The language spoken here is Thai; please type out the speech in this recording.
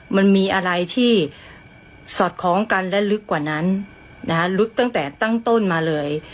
มันมีอะไรที่สอดคล้องกันและลึกกว่านั้นนะคะลึกตั้งแต่ตั้งต้นมาเลย